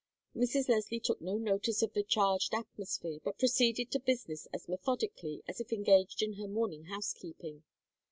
Mrs. Leslie took no notice of the charged atmosphere, but proceeded to business as methodically as if engaged in her morning housekeeping.